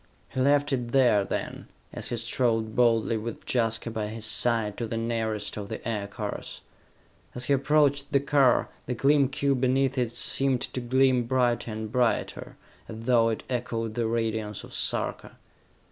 He left it there then, as he strode boldly, with Jaska by his side, to the nearest of the aircars. As he approached the car, the gleam cube beneath it seemed to gleam brighter and brighter, as though it echoed the radiance of Sarka.